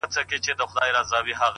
پر ځان کار کول غوره پانګونه ده؛